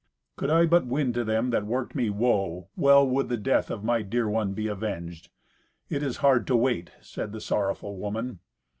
Could I but win to them that worked me woe, well would the death of my dear one be avenged. It is hard to wait," said the sorrowful woman.